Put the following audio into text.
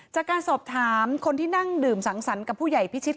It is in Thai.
จากการสอบถามคนที่นั่งดื่มสังสรรค์กับผู้ใหญ่พิชิต